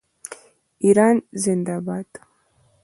ایران زنده باد.